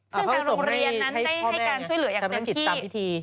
ซึ่งทางโรงเรียนนั้นได้ให้การช่วยเหลืออย่างเต็มที่